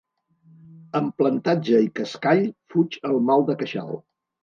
Amb plantatge i cascall fuig el mal de queixal.